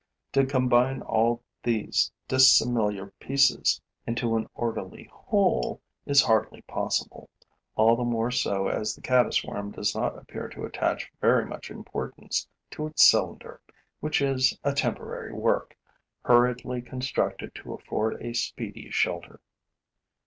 To combine all these dissimilar pieces into an orderly whole is hardly possible, all the more so as the caddis worm does not appear to attach very much importance to its cylinder, which is a temporary work, hurriedly constructed to afford a speedy shelter.